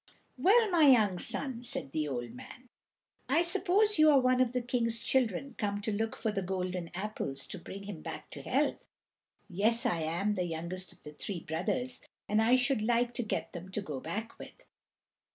"Well, my young son," said the old man, "I suppose you are one of the king's children come to look for the golden apples to bring him back to health." "Yes, I am the youngest of the three brothers, and I should like to get them to go back with."